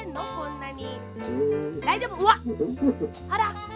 なに！？